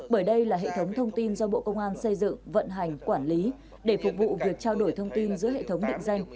bởi đây là hệ thống thông tin do bộ công an xây dựng vận hành quản lý để phục vụ việc trao đổi thông tin giữa hệ thống định danh